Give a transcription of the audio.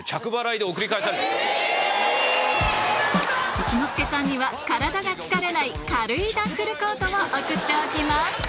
一之輔さんには体が疲れない軽いダッフルコートを送っておきます